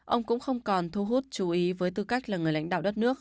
ông cũng không còn thu hút chú ý với tư cách là người lãnh đạo đất nước